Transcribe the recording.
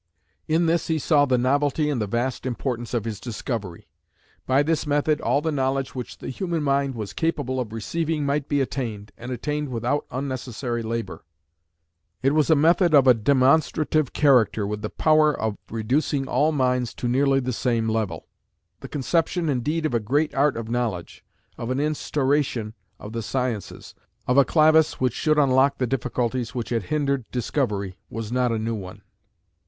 In this he saw the novelty and the vast importance of his discovery. "By this method all the knowledge which the human mind was capable of receiving might be attained, and attained without unnecessary labour." It was a method of "a demonstrative character, with the power of reducing all minds to nearly the same level." The conception, indeed, of a "great Art of knowledge," of an "Instauration" of the sciences, of a "Clavis" which should unlock the difficulties which had hindered discovery, was not a new one.